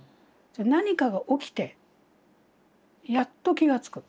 何かが起きてやっと気が付く。